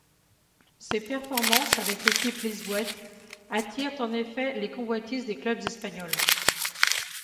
Ses performances avec l'équipe lisboète attirent en effet les convoitises des clubs espagnols.